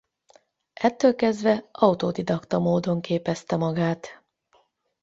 Ettől kezdve autodidakta módon képezte magát.